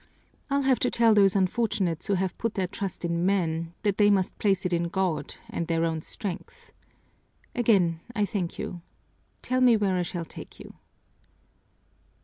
I'll have to tell those unfortunates who have put their trust in men that they must place it in God and their own strength. Again I thank you tell me where I shall take you."